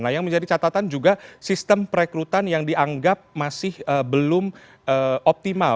nah yang menjadi catatan juga sistem perekrutan yang dianggap masih belum optimal